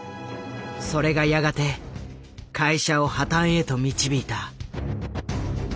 それがやがて会社を破たんへと導いた。